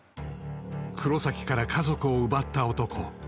黒崎から家族を奪った男